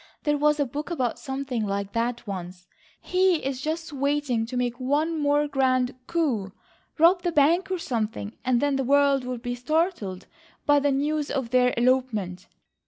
There was a book about something like that once. He is just waiting to make one more grand coup, rob the bank or something and then the world will be startled by the news of their elopement.